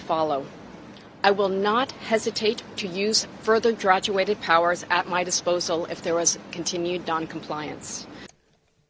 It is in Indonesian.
saya tidak akan berhenti menggunakan kekuatan lebih lanjut yang telah dihantar di hadapan saya jika ada kegiatan yang berterusan